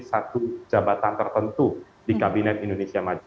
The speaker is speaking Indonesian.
satu jabatan tertentu di kabinet indonesia maju